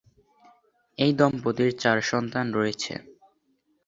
এই দম্পতির চার সন্তান রয়েছে।